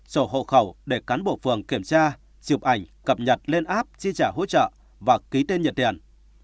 sổ hộ khẩu để cán bộ phường kiểm tra chụp ảnh cập nhật lên app chi trả hỗ trợ và ký tên nhận tiền